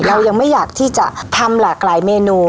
เรายังไม่อยากที่จะทำหลากหลายเมนู